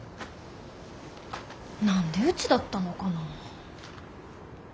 何でうちだったのかな。